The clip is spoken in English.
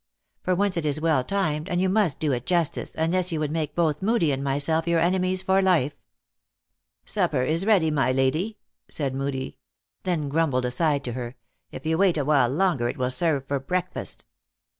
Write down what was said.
For once it is well timed, and you must do it justice, unless you would make both Moodie and myself your enemies for life." "Supper is ready, my lady," said Moodie. Then grumbled aside to her, " If you wait awhile longer it will serve for breakfast."